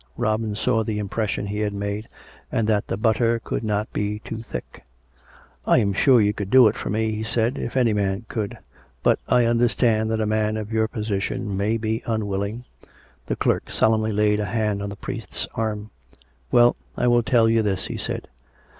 Robin saw the impression he had made, and that the butter could not be too thick. " I am sure you could do it for me," he said, " if any man could. But I understand that a man of your position may be unwilling " The clerk solemnly laid a hand on the priest's arm. 292 COME RACK! COME ROPE! " Well, I will tell you this," he said.